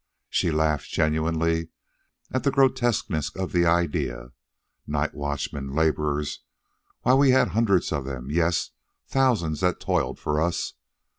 She laughed genuinely at the grotesqueness of the idea. "Night watchman, laborers, why, we had hundreds, yes, thousands that toiled for us.